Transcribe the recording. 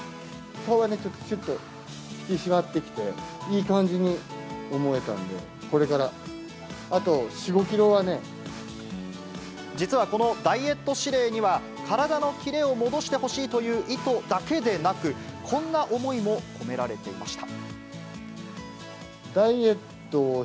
顔がね、ちょっとしゅっと引き締まってきて、いい感じに思えたんで、これからあと４、５キロ実はこのダイエット指令には、体のキレを戻してほしいという意図だけでなく、こんな思いも込められていました。